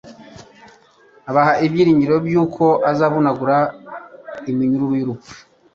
Abaha ibyiringiro by'uko azavunagura iminyururu y'urupfu